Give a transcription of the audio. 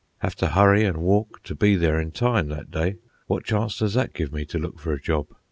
Have to hurry an' walk to be there in time that day. What chance does that give me to look for a job?